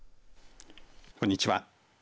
こんにちは。